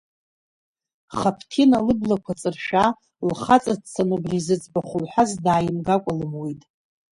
Хаԥҭина лыблақәа ҵыршәаа, лхаҵа дцаны убри зыӡбахә лхәаз дааимгакәа лымуит.